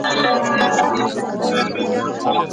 زده کوونکي باید له رواني پلوه خوندي وي.